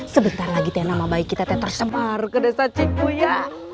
sebentar lagi nama bayi kita tersembar ke desa cikgu ya